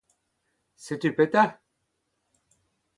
Setu petra ?